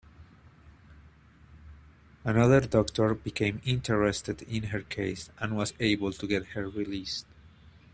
Another doctor became interested in her case and was able to get her released.